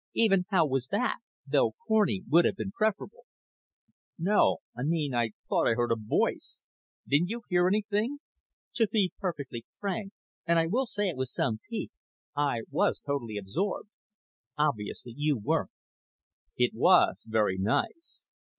Even 'How was that?,' though corny, would have been preferable. "No I mean I thought I heard a voice. Didn't you hear anything?" "To be perfectly frank and I say it with some pique I was totally absorbed. Obviously you weren't." "It was very nice."